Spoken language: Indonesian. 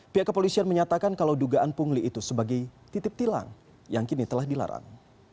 pihak kepolisian menyatakan kalau dugaan pungli itu sebagai titip tilang yang kini telah dilarang